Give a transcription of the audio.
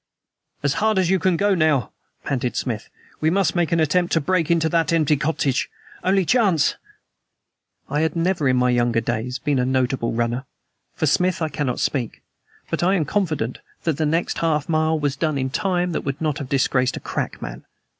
"As hard as you can go now," panted Smith. "We must make an attempt to break into the empty cottage. Only chance." I had never in my younger days been a notable runner; for Smith I cannot speak. But I am confident that the next half mile was done in time that would not have disgraced a crack man.